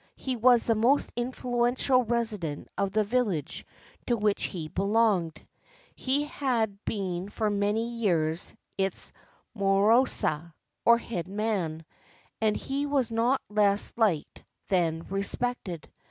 He was the most influential resident of the village to which he belonged : he had been for many years its muraosa, or head man ; and he was not less liked than respected.